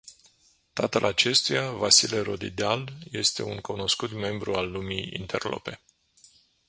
Tatăl acestuia, Vasile Rodideal este un cunoscut membru al lumii interlope.